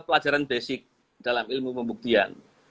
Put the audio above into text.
pelajaran basic dalam ilmu pembuktian